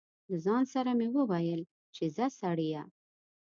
له ځان سره مې و ویل چې ځه سړیه.